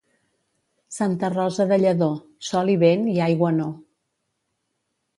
Santa Rosa de Lledó, sol i vent i aigua no.